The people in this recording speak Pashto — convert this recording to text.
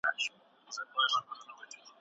زور د عقیدې په بدلون کي ګټه نه لري.